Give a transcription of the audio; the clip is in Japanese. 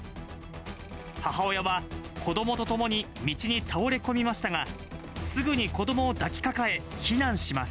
母親は子どもと共に道に倒れ込みましたが、すぐに子どもを抱きかかえ、避難します。